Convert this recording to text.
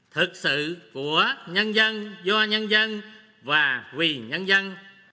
thực sự của nhân dân do nhân dân và vì nhân dân